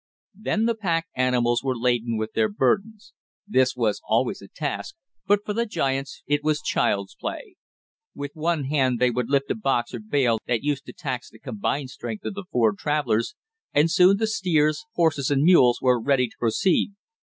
Then the pack animals were laden with their burdens. This was always a task, but for the giants it was child's play. With one hand they would lift a box or bale that used to tax the combined strength of the four travelers, and soon the steers, horses and mules were ready to proceed.